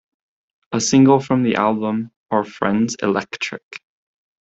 A single from the album, Are Friends Electric?